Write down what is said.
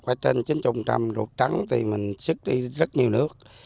qua trên chính trung trăm rụt trắng thì mình xứt đi rất nhiều nước